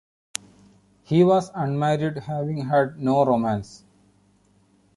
He was unmarried having had no romance.